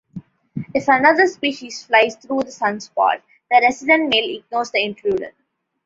If another species flies through the sunspot, the resident male ignores the intruder.